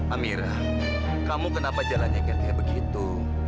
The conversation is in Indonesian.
amira kamu kenapa jalannya kayak begitu